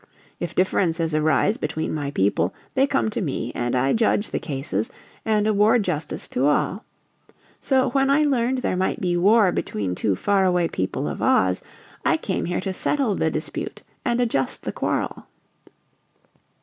If differences arise between my people, they come to me and I judge the cases and award justice to all. So, when I learned there might be war between two faraway people of Oz, I came here to settle the dispute and adjust the quarrel."